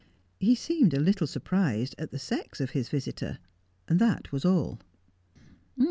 He seemed a little surprised at the sex of his visitor, and that was all.